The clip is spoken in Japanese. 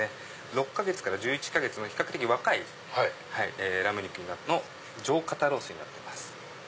６か月から１１か月の比較的若いラム肉の上肩ロースになってます。